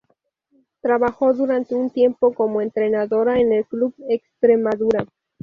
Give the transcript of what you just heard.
Trabajó durante un tiempo como entrenadora en el Club Extremadura.